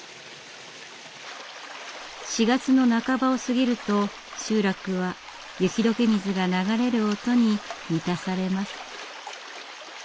４月の半ばを過ぎると集落は雪解け水が流れる音に満たされます。